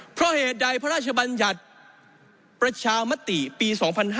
เพราะเหตุใดพระราชบัญญัติประชามติปี๒๕๕๙